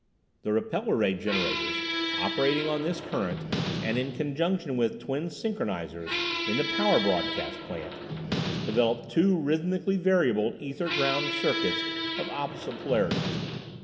The repeller ray generators, operating on this current, and in conjunction with "twin synchronizers" in the power broadcast plant, developed two rhythmically variable ether ground circuits of opposite polarity.